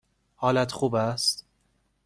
حالت خوب است؟